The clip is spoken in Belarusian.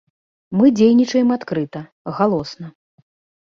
Мы дзейнічаем адкрыта, галосна.